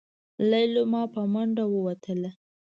ليلما په منډه ووتله.